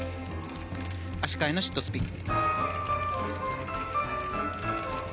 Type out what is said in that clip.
足換えのシットスピン。